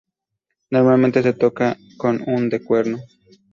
Normalmente se toca con un de cuerno.